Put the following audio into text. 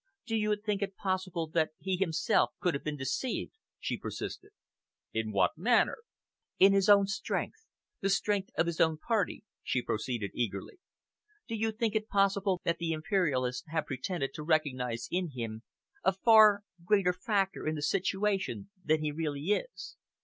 "Do you think it possible that he himself can have been deceived?" she persisted. "In what manner?" "In his own strength the strength of his own Party," she proceeded eagerly. "Do you think it possible that the Imperialists have pretended to recognise in him a far greater factor in the situation than he really is?